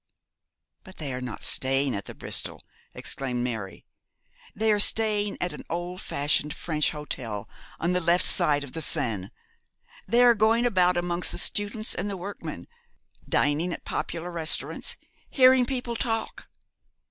'But they are not staying at the Bristol,' exclaimed Mary. 'They are staying at an old established French hotel on the left side of the Seine. They are going about amongst the students and the workmen, dining at popular restaurants, hearing people talk.